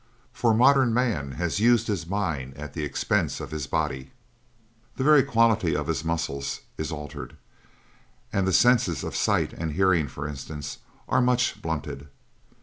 For modern man has used his mind at the expense of his body. The very quality of his muscles is altered; and the senses of sight and hearing, for instance, are much blunted.